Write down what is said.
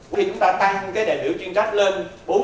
khi chúng ta tăng cái đại biểu chuyên trách lên